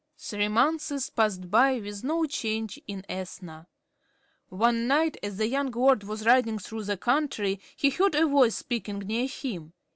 Three months passed by with no change in Ethna. One night, as the young lord was riding through the country, he heard a voice speaking near him.